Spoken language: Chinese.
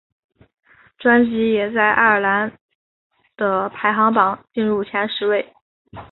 专辑也在爱尔兰的排行榜进入前十位。